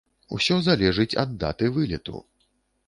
Усё залежыць, ад даты вылету.